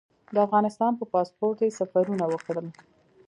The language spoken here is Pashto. د افغانستان په پاسپورټ یې سفرونه وکړل.